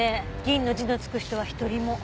銀の字の付く人は一人も。